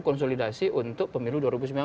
konsolidasi untuk pemilu dua ribu sembilan belas